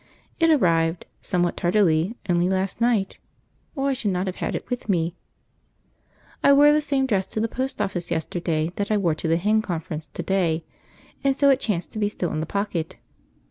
It arrived, somewhat tardily, only last night, or I should not have had it with me. I wore the same dress to the post office yesterday that I wore to the Hen Conference to day, and so it chanced to be still in the pocket.